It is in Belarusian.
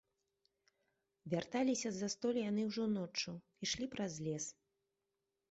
Вярталіся з застолля яны ўжо ноччу, ішлі праз лес.